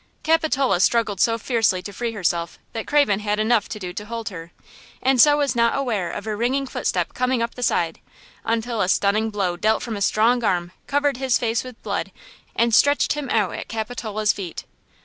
Capitola struggled so fiercely to free herself that Craven had enough to do to hold her, and so was not aware of a ringing footstep coming up the aisle, until a stunning blow dealt from a strong arm covered his face with blood and stretched him out at Capitola's feet.